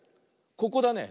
ここだね。